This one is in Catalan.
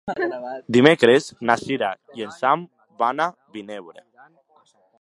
Dimecres na Sira i en Sam van a Vinebre.